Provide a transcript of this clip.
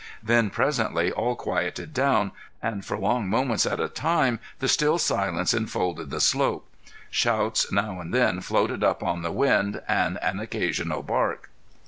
Then presently all quieted down, and for long moments at a time the still silence enfolded the slope. Shouts now and then floated up on the wind and an occasional bark.